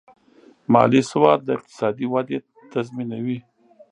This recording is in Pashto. مالي سواد د اقتصادي ودې تضمینوي.